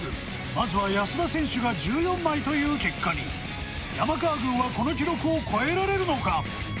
まずは安田選手が１４枚という結果に山川軍はこの記録を超えられるのか？